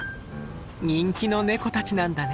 人気のネコたちなんだね。